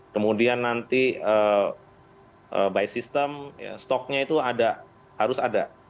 kemudian nanti by system stoknya itu harus ada